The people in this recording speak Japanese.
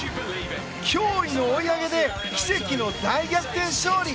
驚異の追い上げで奇跡の大逆転勝利！